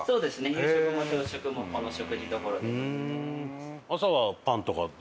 夕食も朝食もこの食事どころで。